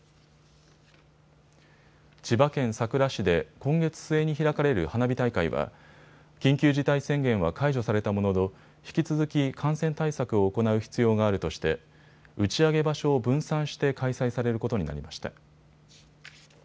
千葉県佐倉市で今月末に開かれる花火大会は緊急事態宣言は解除されたものの引き続き感染対策を行う必要があるとして打ち上げ場所を分散して開催されることになりました。